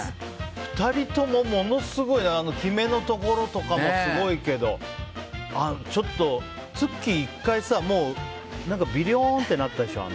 ２人ともものすごい決めのところとかもすごいけどＴｓｕｋｋｉ、１回さビヨーンってなったでしょ。